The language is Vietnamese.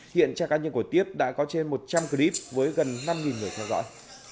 hiện tra cá nhân của tiếp đã có trên một trăm linh clip với gần năm người theo dõi